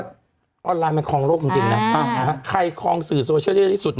ยุคตอนนี้ออนไลน์ของโลกจริงใครคลองสื่อโซเชียลล่ะที่สุด